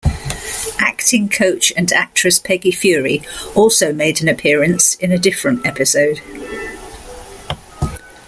Acting coach and actress Peggy Feury also made an appearance, in a different episode.